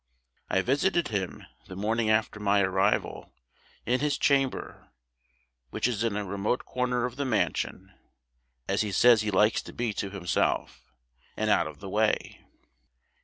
I visited him, the morning after my arrival, in his chamber, which is in a remote corner of the mansion, as he says he likes to be to himself, and out of the way.